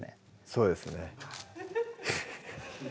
そうですね